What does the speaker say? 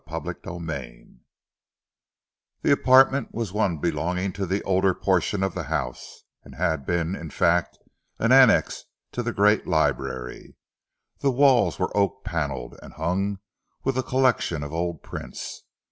CHAPTER XXXIV The apartment was one belonging to the older portion of the house, and had been, in fact, an annex to the great library. The walls were oak panelled, and hung with a collection of old prints.